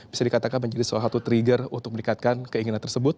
bisa dikatakan menjadi suatu trigger untuk meningkatkan keinginan tersebut